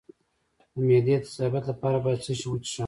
د معدې د تیزابیت لپاره باید څه شی وڅښم؟